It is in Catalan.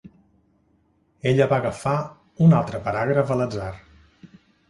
Ella va agafar un altre paràgraf a l'atzar.